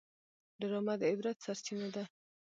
ډرامه د عبرت سرچینه ده